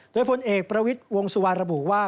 โดยพลเอกประวิทย์วงสุวรรณระบุว่า